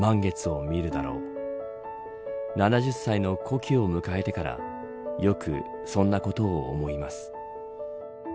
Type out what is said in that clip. ７０歳の古希を迎えてからよくそんなことを思います。